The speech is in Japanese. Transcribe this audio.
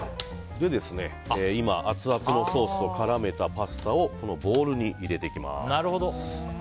今、アツアツのソースを絡めたパスタをこのボウルに入れていきます。